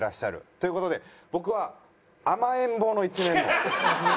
という事で僕は甘えん坊の一面も。